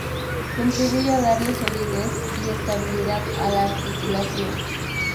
Contribuye a darle solidez y estabilidad a la articulación.